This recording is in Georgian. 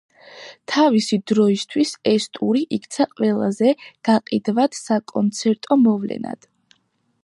თავისი დროისთვის ეს ტური იქცა ყველაზე გაყიდვად საკონცერტო მოვლენად.